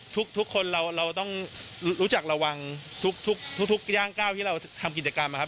ทุกคนเราต้องรู้จักระวังทุกย่างก้าวที่เราทำกิจกรรมนะครับ